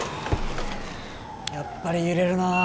やっぱり揺れるな。